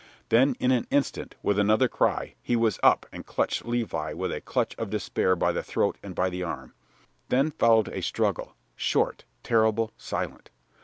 Then, in an instant, with another cry, he was up and clutched Levi with a clutch of despair by the throat and by the arm. Then followed a struggle, short, terrible, silent.